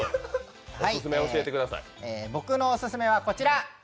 僕のオススメはこちら。